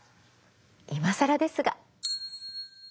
いまさらですが。